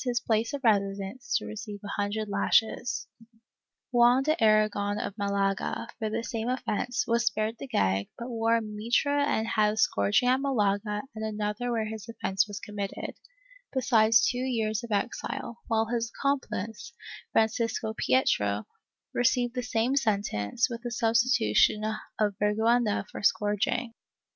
346 MISCELLANEOUS BUSINESS [Book VIII place of residence to receive a hundred lashes; Juan de Aragon, of Malaga, for the same offence, was spared the gag, but wore a mitre and had a scourging at Malaga and another where his offence was committed, besides two years of exile, while his accomplice, Francisco Prieto, received the same sentence, with the substitution of vergiienza for scourging.